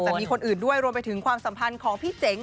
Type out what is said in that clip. แต่มีคนอื่นด้วยรวมไปถึงความสัมพันธ์ของพี่เจ๋ง